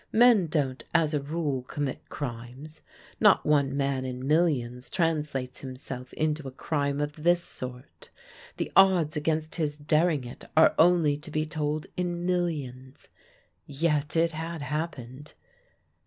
Men don't as a rule commit crimes; not one man in millions translates himself into a crime of this sort; the odds against his daring it are only to be told in millions. Yet it had happened.